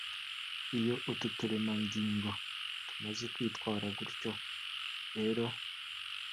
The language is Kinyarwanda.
Iyo utu turemangingo tumaze kwitwara gutyo rero